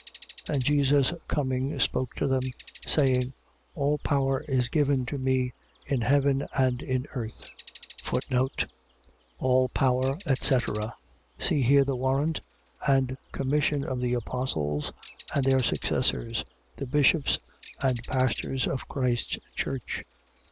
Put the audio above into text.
28:18. And Jesus coming, spoke to them, saying: All power is given to me in heaven and in earth. All power, etc. . .See here the warrant and commission of the apostles and their successors, the bishops and pastors of Christ's church.